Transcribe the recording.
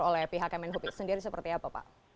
seperti pihak kemenhubik sendiri seperti apa pak